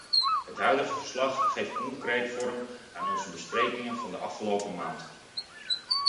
Het huidige verslag geeft concreet vorm aan onze besprekingen van de afgelopen maand.